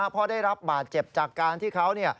เพราะได้รับบาดเจ็บจากการที่เขา